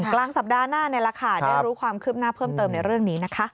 กลางสัปดาห์หน้านี่แหละค่ะได้รู้ความคืบหน้าเพิ่มเติมในเรื่องนี้นะคะ